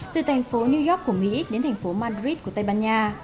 từ thành phố new york của mỹ đến thành phố madrid của tây ban nha